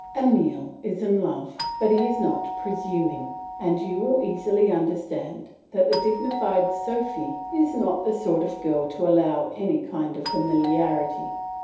Emile is in love, but he is not presuming; and you will easily understand that the dignified Sophy is not the sort of girl to allow any kind of familiarity.